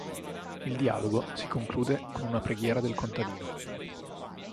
Il dialogo si conclude con una preghiera del contadino.